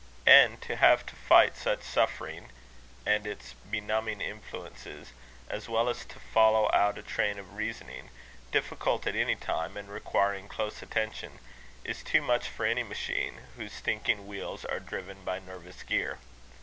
And to have to fight such suffering and its benumbing influences, as well as to follow out a train of reasoning, difficult at any time, and requiring close attention is too much for any machine whose thinking wheels are driven by nervous gear.